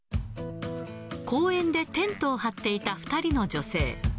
公園でテントを張っていた２人の女性。